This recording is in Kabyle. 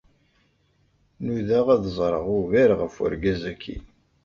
Nudaɣ ad ẓreɣ ugar ɣef wergaz agi